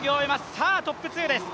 さぁ、トップ２です。